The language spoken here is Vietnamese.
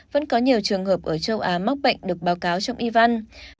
vẫn có nhiều trường hợp ở châu á mắc bệnh được báo cáo trong yvan